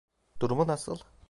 Durumu nasıl?